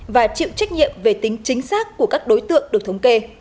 và chịu trách nhiệm về tính chính xác của các đối tượng được thống kê